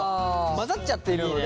混ざっちゃっているので。